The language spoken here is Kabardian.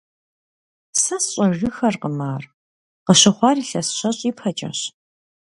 Сэ сщӀэжыххэркъым ар, къыщыхъуар илъэс щэщӀ ипэкӀэщ.